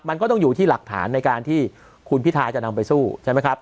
มันก็ต้องอยู่ที่หลักฐานในการที่คุณพิทาจะนำไปสู้ใช่ไหมครับ